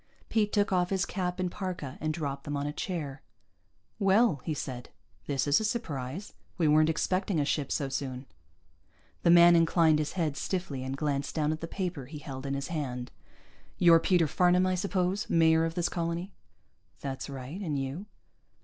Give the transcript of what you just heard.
Pete took off his cap and parka and dropped them on a chair. "Well," he said. "This is a surprise. We weren't expecting a ship so soon." The man inclined his head stiffly and glanced down at the paper he held in his hand. "You're Peter Farnam, I suppose? Mayor of this colony?" "That's right. And you?"